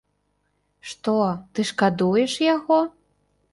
Што, ты шкадуеш яго?